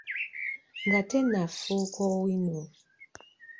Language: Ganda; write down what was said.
Nga tennafuuka Owino.